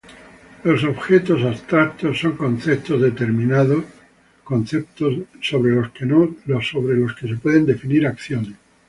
Los objetos abstractos son conceptos determinados sobre los que se pueden definir acciones.